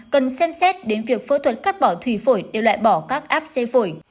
cần xem xét đến việc phẫu thuật cắt bỏ thủy phổi đều loại bỏ các áp xe phổi